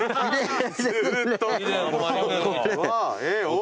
ずっと。